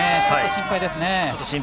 心配ですね。